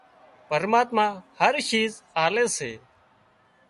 پرماتما هر شِيز آلي سي